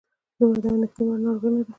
دومره د اندېښنې وړ ناروغي نه ده.